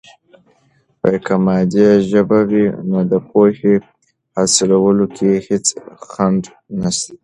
که مادي ژبه وي، نو د پوهې حاصلولو کې هیڅ خنډ نسته.